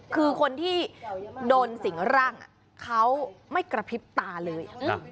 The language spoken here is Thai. คือคนที่โดนสิงร่างเขาไม่กระพริบตาเลย